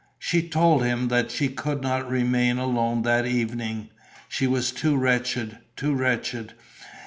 She told him that she could not remain alone that evening: she was too wretched, too wretched.